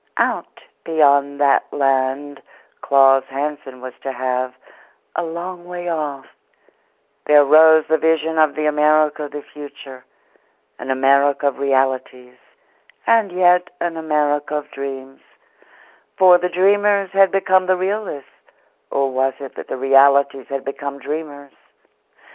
Out beyond that land Claus Hansen was to have, a long way off, there rose the vision of the America of the future an America of realities, and yet an America of dreams; for the dreamers had become the realists or was it that the realists had become dreamers?